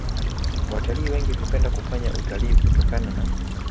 Watalii wengi hupenda kufanya utalii kutokana na